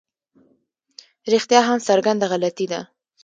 رښتیا هم څرګنده غلطي ده.